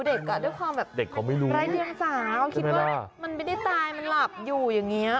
เด็กน้องค่ะด้วยความรายเรียงสาวเขาคิดว่าเขาไม่ได้ตายหรืออย่างเงี้ย